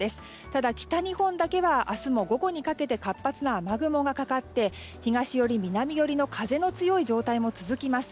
ただ、北日本だけは明日も午後にかけて活発な雨雲がかかって東寄り、南寄りの風の強い状態も続きます。